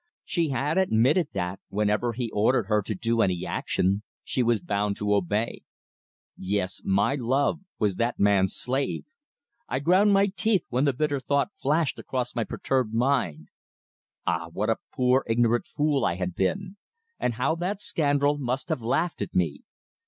She had admitted that, whenever he ordered her to do any action, she was bound to obey. Yes. My love was that man's slave! I ground my teeth when the bitter thought flashed across my perturbed mind. Ah! what a poor, ignorant fool I had been! And how that scoundrel must have laughed at me!